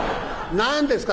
何ですか？